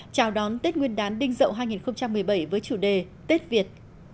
chào đón tết nguyên đán đinh dậu hai nghìn một mươi bảy với chủ đề tết việt